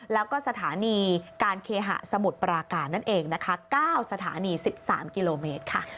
แล้วก็สถานีการเคหะสมุทรปราการนั่นเองนะคะ๙สถานี๑๓กิโลเมตรค่ะ